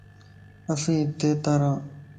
اسين ھتي تان ران